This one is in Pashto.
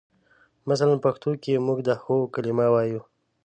مثلاً پښتو کې موږ د هو کلمه وایو.